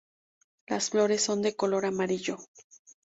Las flores son de color amarillo.